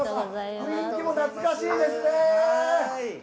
雰囲気も懐かしいですね。